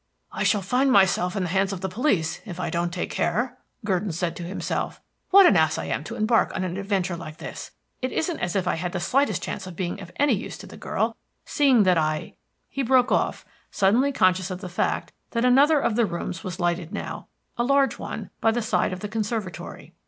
"I shall find myself in the hands of the police, if I don't take care," Gurdon said to himself. "What an ass I am to embark on an adventure like this. It isn't as if I had the slightest chance of being of any use to the girl, seeing that I " He broke off, suddenly conscious of the fact that another of the rooms was lighted now a large one, by the side of the conservatory.